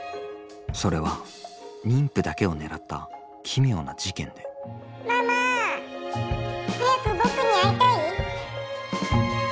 それは妊婦だけを狙った奇妙な事件で「ママ早く僕に会いたい？」。